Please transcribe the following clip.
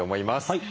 はい。